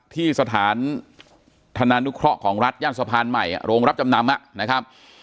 ที่สถานธนานุเคราะห์ของรัฐย่านสะพานใหม่โรงรับจำนำนะครับ